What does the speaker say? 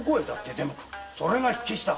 それが火消しだ。